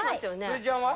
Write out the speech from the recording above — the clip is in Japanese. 辻ちゃんは？